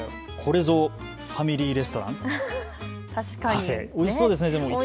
これぞファミリーレストラン、おいしそうですね。